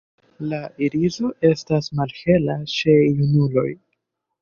La iriso estas malhela ĉe junuloj.